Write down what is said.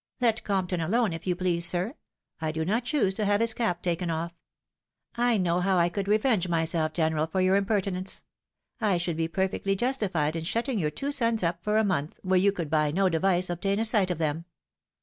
Let Compton alone, if you please, sir ; I do not choose to have his cap taken off. I know howl could revenge myself, general, for your impertinence ; I should be perfectly justified in shutting your two sons up for a month, where you could by no device obtain a sight of them.